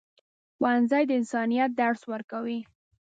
ښوونځی د انسانیت درس ورکوي.